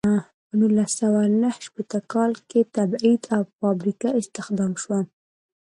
په نولس سوه نهه شپیته کال کې تبعید او په فابریکه کې استخدام شو.